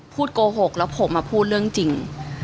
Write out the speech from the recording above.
โกหกแล้วผมมาพูดเรื่องจริง